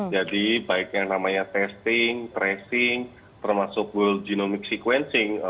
jadi baik yang namanya testing tracing termasuk genomic sequencing